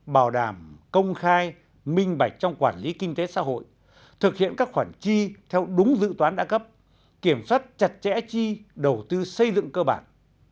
bảo đảm công khai minh bạch trong quản lý kinh tế xã hội thực hiện các khoản chi theo đúng dự toán đã cấp kiểm soát chặt chẽ chi đầu tư xây dựng cơ bản